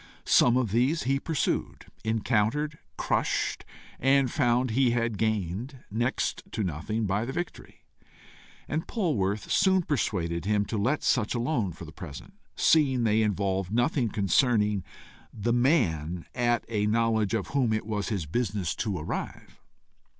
Some of these he pursued, encountered, crushed and found he had gained next to nothing by the victory; and Polwarth soon persuaded him to let such, alone for the present, seeing they involved nothing concerning the man at a knowledge of whom it was his business to arrive.